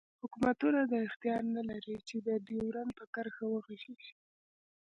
حوکمتونه دا اختیار نه لری چی د ډیورنډ پر کرښه وغږیږی